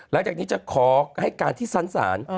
แล้วจากนี้จะขอให้การที่สรรสาร